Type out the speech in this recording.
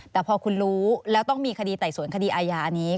แต่พอคุณรู้แล้วต้องมีคดีไต่สวนคดีอาญานี้